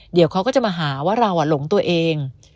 เดี๋ยวเขาก็จะมาหาว่าเราหลงตัวเอง